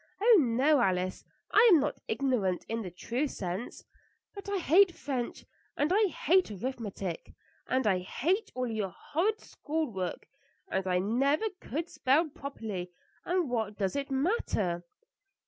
Oh, no, Alice, I am not ignorant in the true sense; but I hate French, and I hate arithmetic, and I hate all your horrid school work. And I never could spell properly; and what does it matter?"